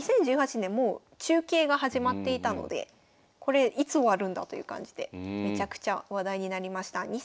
２０１８年もう中継が始まっていたのでこれいつ終わるんだという感じでめちゃくちゃ話題になりました。